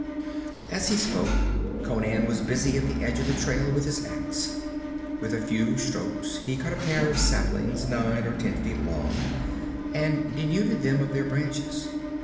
As he spoke Conan was busy at the edge of the trail with his ax. With a few strokes he cut a pair of saplings nine or ten feet long, and denuded them of their branches.